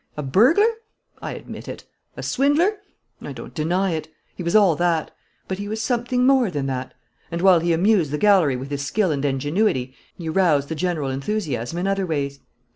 A burglar? I admit it. A swindler? I don't deny it. He was all that. But he was something more than that. And, while he amused the gallery with his skill and ingenuity, he roused the general enthusiasm in other ways.